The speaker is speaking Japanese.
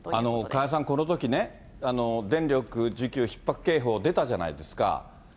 加谷さん、このときね、電力需給ひっ迫警報、出たじゃないですか。